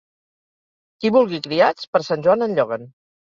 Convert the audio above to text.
Qui vulgui criats, per Sant Joan en lloguen.